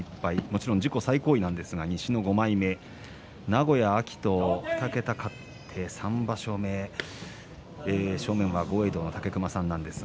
もちろん自己最高位なんですが西の５枚目、名古屋、秋と２桁勝って３場所目正面は豪栄道の武隈さんです。